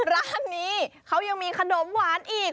ร้านนี้เขายังมีขนมหวานอีก